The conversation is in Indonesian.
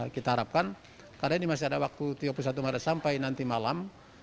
kita harapkan karena ini masih ada waktu tiga puluh satu maret sampai nanti malam